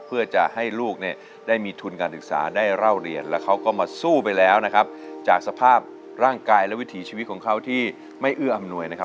เพื่อจะให้ลูกได้มีทุนการศึกษาได้เล่าเรียนแล้วเขาก็มาสู้ไปแล้วนะครับจากสภาพร่างกายและวิถีชีวิตของเขาที่ไม่เอื้ออำนวย